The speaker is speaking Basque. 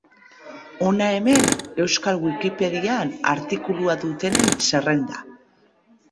Hona hemen Euskal Wikipedian artikulua dutenen zerrenda.